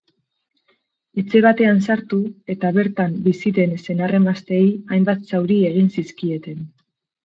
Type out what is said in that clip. Etxe batean sartu eta bertan bizi den senar-emazteei hainbat zauri egin zizkieten.